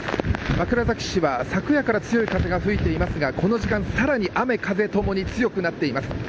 枕崎市は昨夜から強い風が吹いていますがこの時間、さらに雨風ともに強くなっています。